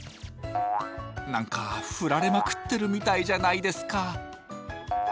何かフラれまくってるみたいじゃないですか。